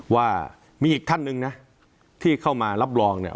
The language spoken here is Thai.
ว่ามีอีกท่านหนึ่งนะที่เข้ามารับรองเนี่ย